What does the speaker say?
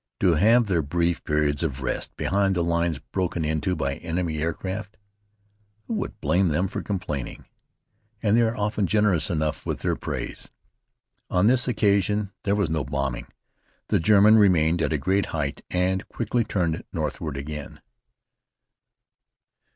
To have their brief periods of rest behind the lines broken into by enemy aircraft who would blame them for complaining? And they are often generous enough with their praise. On this occasion there was no bombing. The German remained at a great height and quickly turned northward again.